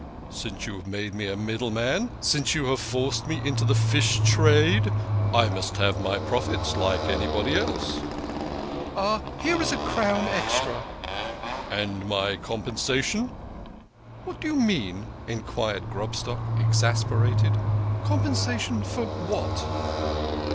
Since you have made me a middle man, since you have forced me into the fish trade, I must have my profits like anybody else." " Here is a crown extra !"" And my compensation?" "What do you mean? " enquired Grobstock, exasperated. " Compensation for what?